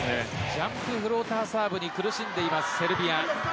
ジャンプフローターサーブに苦しんでいます、セルビア。